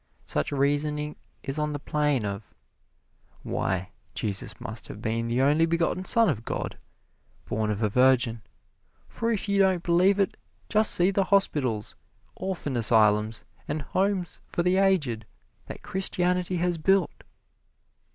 Such reasoning is on the plane of, "Why, Jesus must have been the only begotten son of God, born of a virgin, for if you don't believe it, just see the hospitals, orphan asylums and homes for the aged that Christianity has built!"